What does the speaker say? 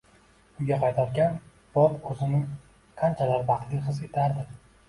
Uyga qaytarkan, Bob oʻzini shunchalar baxtli his etardi.